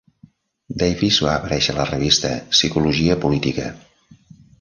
Davis va aparèixer a la revista "Psicologia política".